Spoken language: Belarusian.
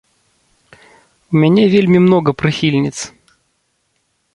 У мяне вельмі многа прыхільніц!